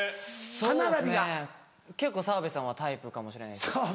結構澤部さんはタイプかもしれないです。